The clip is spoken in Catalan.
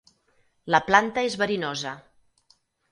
La planta és verinosa.